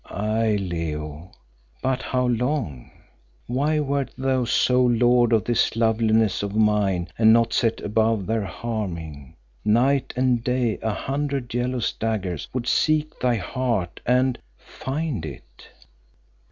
"Aye, Leo, but how long? Why wert thou sole lord of this loveliness of mine and not set above their harming, night and day a hundred jealous daggers would seek thy heart and find it."